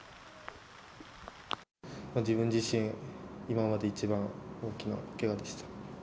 自分自身、今までで一番大きなけがでした。